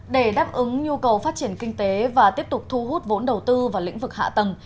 để đáp ứng nhu cầu phát triển kinh tế và tiếp tục thu hút vốn đầu tư vào lĩnh vực hạ tầng